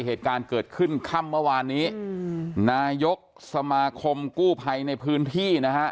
เหตุการณ์เกิดขึ้นค่ำเมื่อวานนี้อืมนายกสมาคมกู้ภัยในพื้นที่นะฮะ